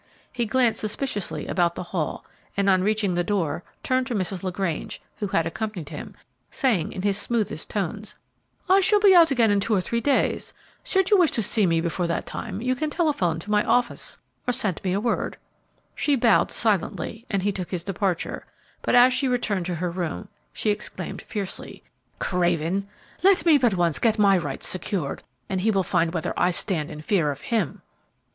He glanced suspiciously about the hall, and, on reaching the door, turned to Mrs. LaGrange, who had accompanied him, saying, in his smoothest tones, "I shall be out again in two or three days. Should you wish to see me before that time, you can telephone to my office or send me word." She bowed silently and he took his departure, but as she returned to her room, she exclaimed, fiercely, "Craven! Let me but once get my rights secured, and he will find whether I stand in fear of him!"